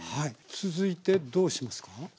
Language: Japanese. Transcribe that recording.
続いてどうしますか？